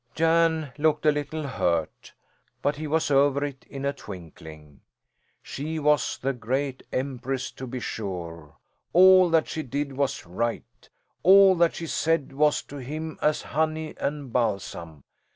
Jan looked a little hurt, but he was over it in a twinkling. She was the Great Empress, to be sure. All that she did was right; all that she said was to him as honey and balsam.